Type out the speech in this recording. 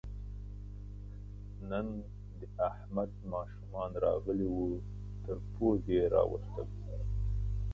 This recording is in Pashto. نن د احمد ماشومان راغلي وو، تر پوزې یې راوستلو.